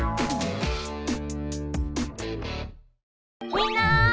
みんな！